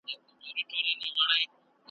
غداره زمانه ده اوس باغوان په باور نه دی ,